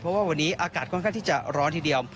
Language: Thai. เพราะว่าวันนี้อากาศค่อนข้างที่จะร้อนทีเดียว